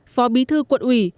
phó bi thư quận ủy